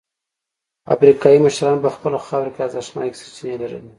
افریقايي مشرانو په خپله خاوره کې ارزښتناکې سرچینې لرلې.